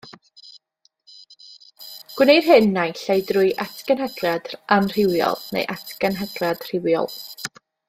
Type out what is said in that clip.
Gwneir hyn naill ai drwy atgenhedliad anrhywiol neu atgenhedliad rhywiol.